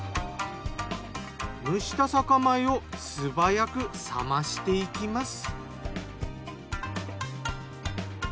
蒸した酒米をすばやく冷ましていきます。